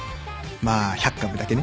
まあ１００株だけね。